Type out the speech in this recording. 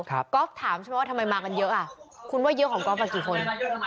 กอล์ฟถามฉันว่าทำไมมากันเยอะอ่ะคุณว่าเยอะของกอล์ฟกันกี่คน